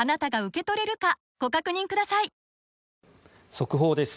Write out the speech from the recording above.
速報です。